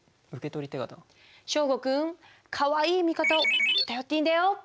祥伍君かわいい味方を頼っていいんだよ。